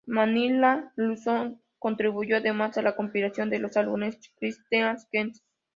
Manila Luzon contribuyó además a la compilación de los álbumes "Christmas Queens".